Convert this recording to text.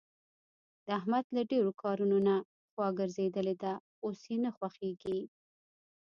د احمد له ډېرو کارونو نه خوا ګرځېدلې ده. اوس یې نه خوښږېږي.